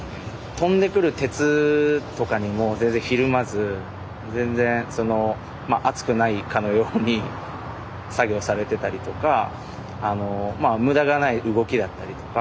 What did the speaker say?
飛んでくる鉄とかにも全然ひるまず全然その熱くないかのように作業されてたりとかまあ無駄がない動きだったりとか。